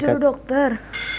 ini satu dokter